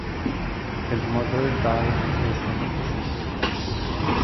His mother died in his infancy.